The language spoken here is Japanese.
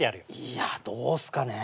いやどうっすかね。